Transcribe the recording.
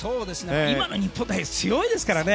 今の日本代表強いですからね。